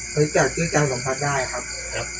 คุณตามจะไม่ถึงเวลาตายตายโอเคนะครับ